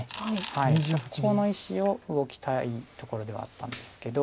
そこの石を動きたいところではあったんですけど。